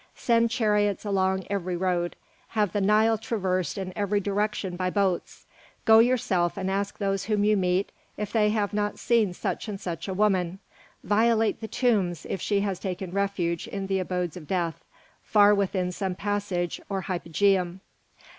Send chariots along every road; have the Nile traversed in every direction by boats; go yourself and ask those whom you meet if they have not seen such and such a woman. Violate the tombs, if she has taken refuge in the abodes of death, far within some passage or hypogeum.